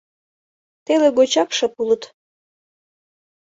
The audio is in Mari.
«Теле гочак шып улыт: